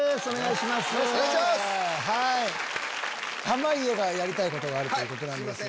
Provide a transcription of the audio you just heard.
濱家がやりたいことがあるということなんです。